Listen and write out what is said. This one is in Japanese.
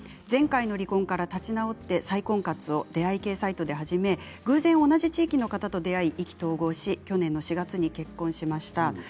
前回の離婚から立ち直って再婚活を出会い系サイトで始め偶然、同じ地域の方と出会い意気投合し去年の４月に結婚しました。